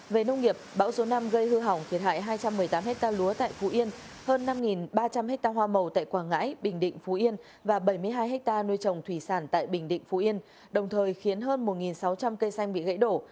về nông nghiệp bão số năm gây hư hỏng thiệt hại hai trăm một mươi tám hectare lúa tại phú yên hơn năm ba trăm linh hectare hoa màu tại quảng ngãi bình định phú yên và bảy mươi hai ha nuôi trồng thủy sản tại bình định phú yên đồng thời khiến hơn một sáu trăm linh cây xanh bị gãy đổ